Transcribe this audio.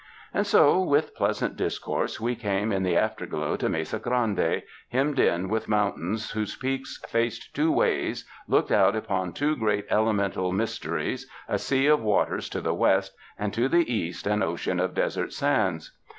And so, with pleasant discourse, we came in the afterglow to Mesa Grande, hemmed in with moun tains whose peaks, facing two ways, looked out upon two great elemental mysteries, a sea of waters to the west, and to the east an ocean of desert sands.